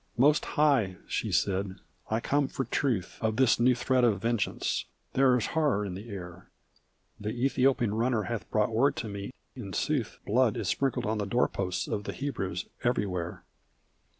"Most High," she said, "I come for truth Of this new threat of vengeance. There is horror in the air; The Ethiopian runner hath brought word to me in sooth Blood is sprinkled on the door posts of the Hebrews everywhere!"